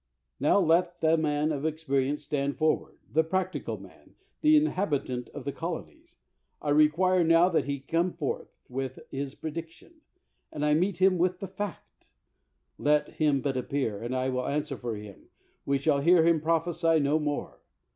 Now let the man of experience stand forward, — the practical man, the inhabitant of the colo nies, — I require that he now come forth with his prediction, and I meet him with the fact; let him but appear, and I answer for him, we shall hear him prophesy no more.